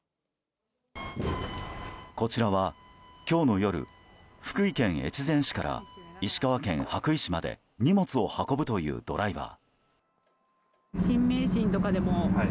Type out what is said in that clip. こちらは、今日の夜福井県越前市から石川県羽咋市まで荷物を運ぶというドライバー。